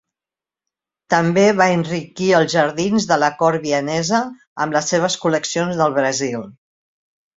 També va enriquir els jardins de la cort vienesa amb les seves col·leccions del Brasil.